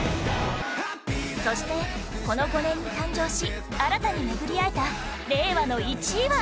そして、この５年に誕生し新たに巡り合えた令和の１位は